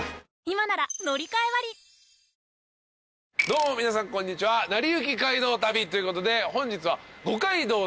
どうも皆さんこんにちは『なりゆき街道旅』ということで本日は。